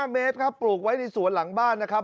๕เมตรครับปลูกไว้ในสวนหลังบ้านนะครับ